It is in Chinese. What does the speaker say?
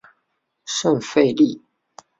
圣费利。